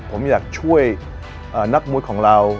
ผมอยากช่วยนักมวยของเรา